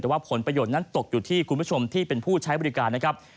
แต่ว่าผลประโยชน์นั้นตกอยู่ที่คุณผู้ชมที่เป็นผู้ใช้บริการนะครับ